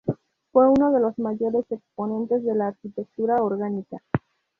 Fue uno de los mayores exponentes de la arquitectura orgánica.